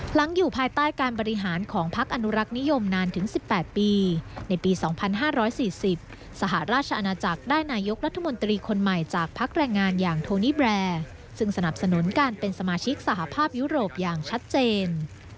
หลังอยู่ภายใต้การบริหารของพักอนุรักษ์นิยมนานถึง๑๘ปีในปี๒๕๔๐สหราชอาณาจักรได้นายกรัฐมนตรีคนใหม่จากพักแรงงานอย่างโทนิแบรนด์ซึ่งสนับสนุนการเป็นสมาชิกสหภาพยุโรปอย่างชัดเจน